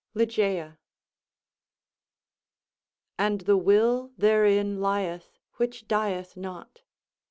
LIGEIA And the will therein lieth, which dieth not.